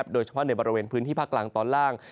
โดยเฉพาะในบริเวณพื้นที่ภาคกลางตอนล่าง